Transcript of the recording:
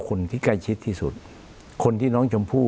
คุณจอมขอบพระคุณครับ